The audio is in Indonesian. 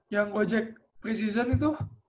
yang gojek preseason itu